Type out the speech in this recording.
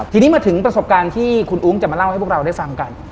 ทีนี้มาถึงประสบการณ์ที่คุณอุ้งจะมาเล่าให้พวกเราได้ฟังกัน